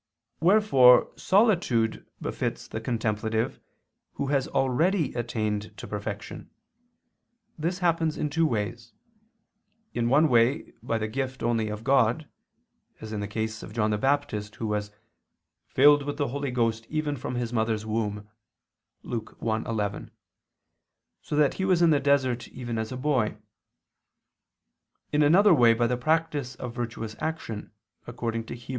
Wherefore solitude befits the contemplative who has already attained to perfection. This happens in two ways: in one way by the gift only of God, as in the case of John the Baptist, who was "filled with the Holy Ghost even from his mother's womb" (Luke 1:11), so that he was in the desert even as a boy; in another way by the practice of virtuous action, according to Heb.